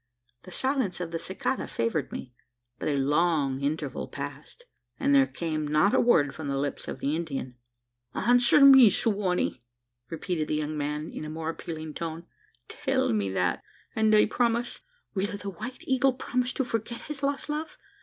The silence of the cicada favoured me; but a long interval passed, and there came not a word from the lips of the Indian. "Answer me, Su wa nee!" repeated the young man in a more appealing tone. "Tell me that, and I promise " "Will the White Eagle promise to forget his lost love?